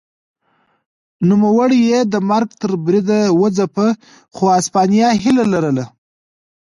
نوموړی یې د مرګ تر بریده وځپه خو هسپانیا هیله لرله.